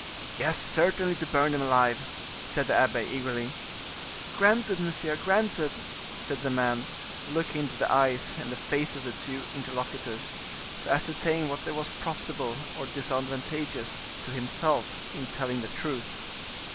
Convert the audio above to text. "Yes, certainly to burn them alive," said the abbe, eagerly. "Granted, monsieur, granted," said the man, looking into the eyes and the faces of the two interlocutors, to ascertain what there was profitable or disadvantageous to himself in telling the truth.